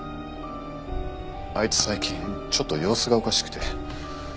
あいつ最近ちょっと様子がおかしくて。